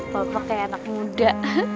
baper kayak anak muda